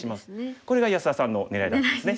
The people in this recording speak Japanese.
これが安田さんの狙いだったんですね。